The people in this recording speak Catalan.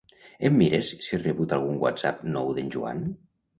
Em mires si he rebut algun whatsapp nou d'en Joan?